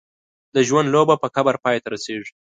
د ژوند لوبه په قبر پای ته رسېږي.